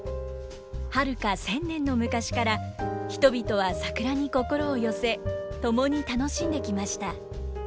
はるか１，０００年の昔から人々は桜に心を寄せ共に楽しんできました。